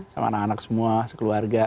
sama anak anak semua sekeluarga